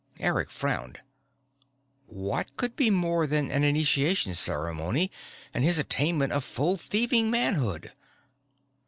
Eric frowned. What could be more than an initiation ceremony and his attainment of full thieving manhood?